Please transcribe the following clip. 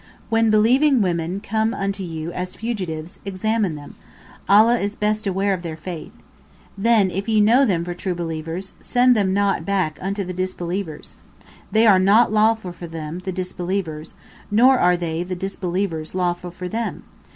When believing women come unto you as fugitives, examine them. Allah is Best Aware of their faith. Then, if ye know them for true believers, send them not back unto the disbelievers. They are not lawful for them (the disbelievers), nor are they (the disbelievers) lawful for them.